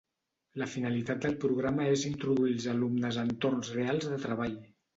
La finalitat del programa és introduir els alumnes a entorns reals de treball.